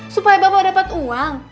supaya bapak dapat uang